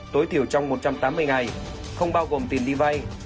tối thiểu trong một trăm tám mươi ngày không bao gồm tiền đi vay